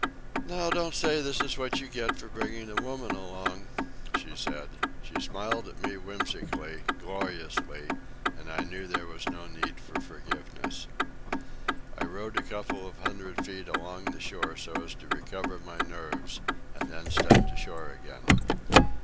"Now don't say that this is what you get for bringing a woman along," she said. She smiled at me whimsically, gloriously, and I knew there was no need for forgiveness. I rowed a couple of hundred feet along the beach so as to recover my nerves, and then stepped ashore again.